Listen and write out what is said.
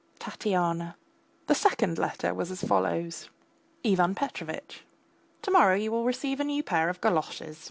TATYANA. The second letter was as follows: IVAN PETROVITCH, To morrow you will receive a new pair of galoshes.